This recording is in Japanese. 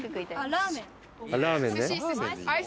ラーメンね。